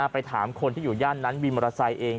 ไปถามคนที่อยู่ย่านนั้นวินมอเตอร์ไซค์เอง